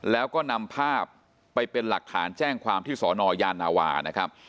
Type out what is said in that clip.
แล้วก็นำภาพไปเป็นหลักฐานแจ้งความที่สนยานาวานะครับ